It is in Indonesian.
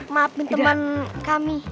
maafin teman kami